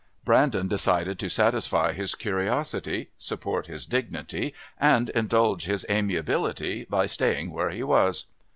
Brandon decided to satisfy his curiosity, support his dignity and indulge his amiability by staying where he was.